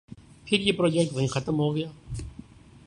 پھر یہ پراجیکٹ وہیں ختم ہو گیا۔